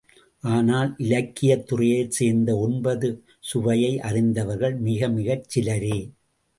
ஆனால் இலக்கியத் துறையைச் சேர்ந்த ஒன்பது சுவையை அறிந்தவர்கள் மிகமிகச் சிலரே.